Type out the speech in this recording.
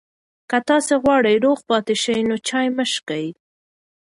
که تاسي غواړئ روغ پاتې شئ، نو چای مه څښئ.